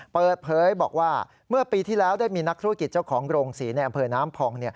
เปิดเผยบอกว่าเมื่อปีที่แล้วได้มีนักธุรกิจเจ้าของโรงศรีในอำเภอน้ำพอง